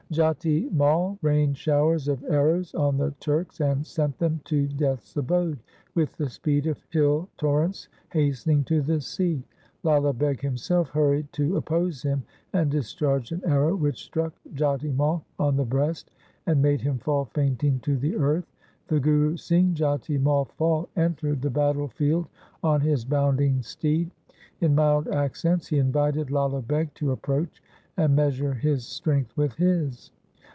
Jati Mai rained showers of arrows on the Turks, and sent them to death's abode with the speed of hill torrents hastening to the sea. Lala Beg himself hurried to oppose him, and discharged an arrow which struck Jati Mai on the breast, and made him fall fainting to the earth. The Guru, seeing Jati Mai fall, entered the battle field on his bounding steed. In mild accents he invited Lala Beg to approach and measure his strength with his.